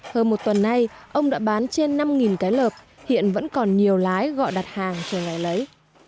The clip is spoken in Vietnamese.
hơn một tuần nay ông đã bán trên năm cái lợp hiện vẫn còn nhiều lái gọi đặt hàng chờ ngày lấy